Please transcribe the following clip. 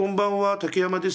竹山です。